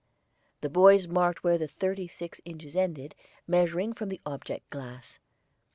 The boys marked where the thirty six inches ended, measuring from the object glass.